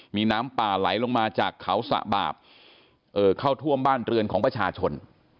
มีน้ำป่าไหลลงมาจากเขาสะบาปเข้าท่วมบ้านเรือนของประชาชน